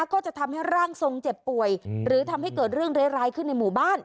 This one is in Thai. ก็จะทำให้ร่างทรงเจ็บป่วยหรือทำให้เกิดเรื่องร้ายขึ้นในหมู่บ้าน